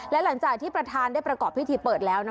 และหลังจากที่ประธานได้ประกอบพิธีเปิดแล้ว